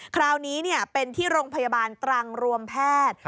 คราวนี้เป็นที่โรงพยาบาลตรังรวมแพทย์